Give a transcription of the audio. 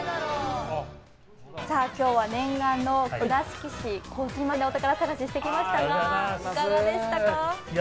今日は念願の倉敷市児島でお宝探しをしてきましたがいかがでしたか？